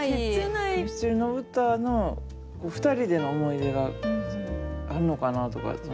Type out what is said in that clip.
ミスチルの歌の２人での思い出があんのかなあとか。